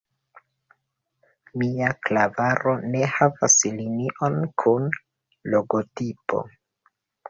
Mia klavaro ne havas linion kun logotipo.